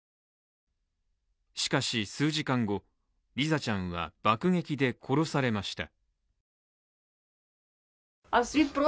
しかし、数時間後リザちゃんは爆撃で殺されました。